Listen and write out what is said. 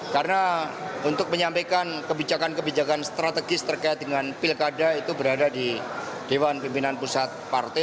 karena untuk menyampaikan kebijakan kebijakan strategis terkait dengan pilkada itu berada di dewan pimpinan pusat partai